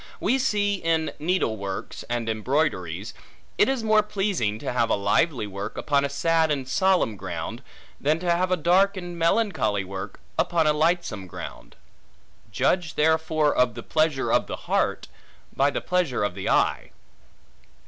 We see in needle works and embroideries, it is more pleasing to have a lively work, upon a sad and solemn ground, than to have a dark and melancholy work, upon a lightsome ground: judge therefore of the pleasure of the heart, by the pleasure of the eye.